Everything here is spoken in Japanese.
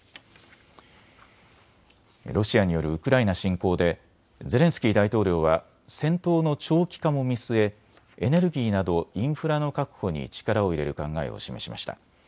ロシアによるウクライナ侵攻でゼレンスキー大統領は戦闘の長期化も見据えエネルギーなどインフラの確保に力を入れる考えを示しました。